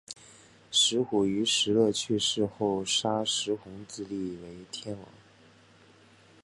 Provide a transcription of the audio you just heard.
石虎于石勒去世后杀石弘自立为天王。